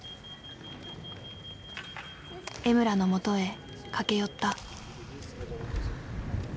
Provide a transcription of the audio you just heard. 江村のもとへ駆け寄った。